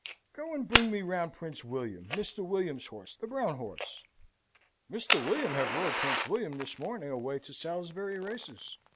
"Go and bring me round Prince William, Mr. William's horse, the brown horse." "Mr. William have rode Prince William this morning away to Salisbury Races.